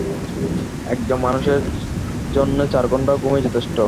একজন মানুষের জন্যে চার ঘন্টা ঘূমই যথেষ্ট।